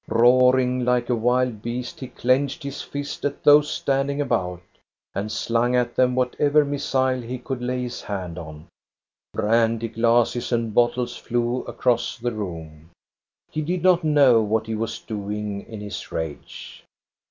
Roaring like a wild beast, he clenched his fist at those standing about, and slung at them what ever missile he could lay his hand on. Brandy glasses and bottles flew across the room. He did not know what he was doing in his rage.